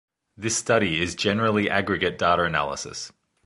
This study is generally aggregate data analysis.